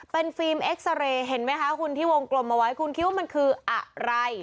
เป็นฟิล์มเอ็กซาเรย์เห็นไหมคะคุณที่วงกลมเอาไว้คุณคิดว่ามันคืออะไร